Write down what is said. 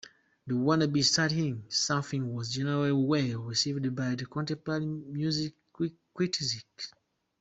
"Wanna Be Startin' Somethin" was generally well received by contemporary music critics.